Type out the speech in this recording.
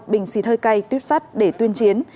bình xịt hơi cay tuyếp sắt để tuyên chiến